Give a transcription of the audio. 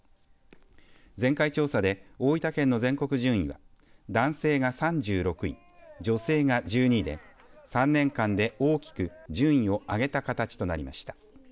前回調査で大分県の全国順位は男性が３６位女性が１２位で３年間で大きく順位を上げた形となりました。